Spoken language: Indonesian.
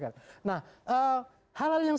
nah hal hal yang